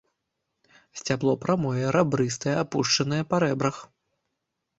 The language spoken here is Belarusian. Сцябло прамое, рабрыстае, апушанае па рэбрах.